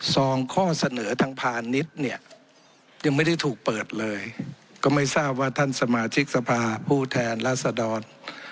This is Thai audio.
สองข้อเสนอทางพาณิชย์เนี่ยยังไม่ได้ถูกเปิดเลยก็ไม่ทราบว่าท่านสมาชิกสภาผู้แทนรัศดร